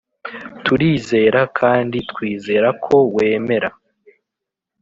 turizera, kandi twizera ko wemera,